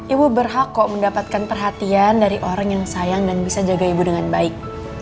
ibu berhak kok mendapatkan perhatian dari orang yang sayang dan bisa jaga ibu dengan baik